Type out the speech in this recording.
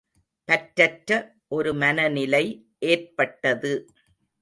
பற்றற்ற ஒரு மனநிலை ஏற்பட்டது.